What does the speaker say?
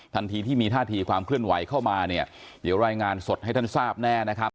ทันทีที่มีท่าทีความเคลื่อนไหวเข้ามาเนี่ยเดี๋ยวรายงานสดให้ท่านทราบแน่นะครับ